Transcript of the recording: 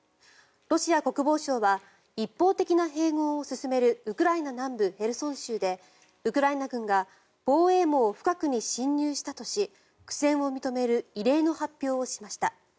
ロシア国防省は一方的な併合を進めるウクライナ南部ヘルソン州でウクライナ軍が防衛網深くに侵入したとし苦戦を認める異例の発表をしました。